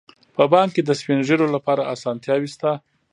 په بانک کې د سپین ږیرو لپاره اسانتیاوې شته.